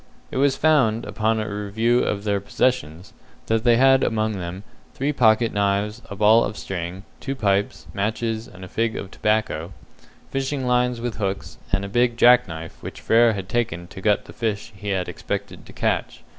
It was found, upon a review of their possessions, that they had among them three pocket knives, a ball of string, two pipes, matches and a fig of tobacco, fishing lines with hooks, and a big jack knife which Frere had taken to gut the fish he had expected to catch.